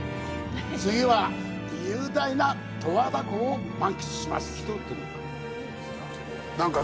次は雄大な十和田湖を満喫します！